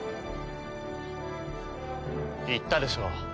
言ったでしょう。